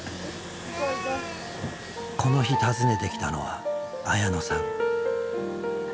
この日訪ねてきたのは綾乃さん。